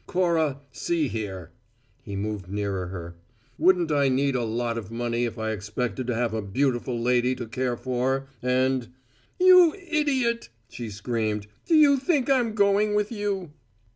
Cora, see here!" He moved nearer her. "Wouldn't I need a lot of money if I expected to have a beautiful lady to care for, and " "You idiot!" she screamed. "Do you think I'm going with you?"